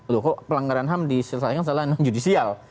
loh kok pelanggaran ham diselesaikan secara non judicial